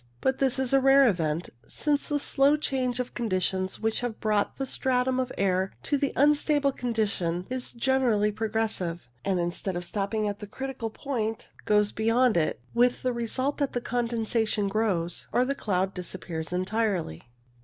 But this is a rare event, since the slow change of conditions which has brought the stratum of air to the unstable condition is generally progressive, and instead of stopping at the critical point, goes beyond it, with the result that the con densation grows or the cloud disappears entirely.